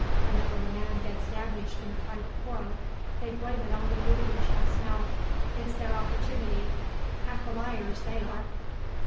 Whenever a man gets damaged in a private quarrel they blame it on the Union chaps now. It's their opportunity. Pack o' liars, they are.